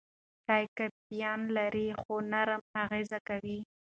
چای کافین لري خو نرم اغېز کوي.